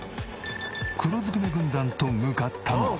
黒ずくめ軍団と向かったのは。